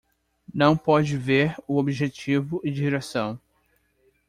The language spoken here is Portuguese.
Não pode ver o objetivo e direção